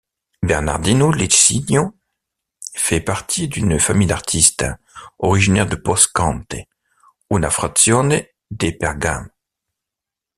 Bernardino Licinio faisait partie d'une famille d'artistes, originaire de Poscante, une frazione de Bergame.